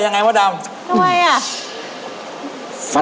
ยังไงม้วดำ